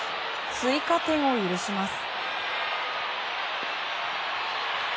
追加点を許します。